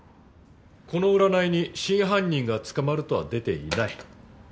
この占いに真犯人が捕まるとは出ていない。